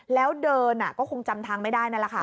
แล้วเดินก็คงจำทางไม่ได้นั่นแหละค่ะ